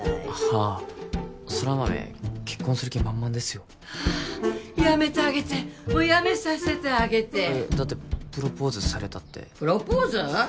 あ空豆結婚する気満々ですよはあっやめてあげてもうやめさせてあげてだってプロポーズされたってプロポーズ！？